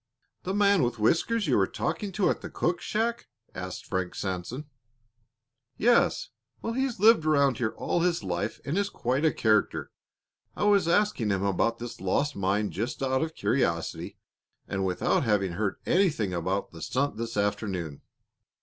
"The man with whiskers you were talking to at the cook shack?" asked Frank Sanson. "Yes. Well, he's lived around here all his life and is quite a character. I was asking him about this lost mine just out of curiosity and without having heard anything about the stunt this afternoon.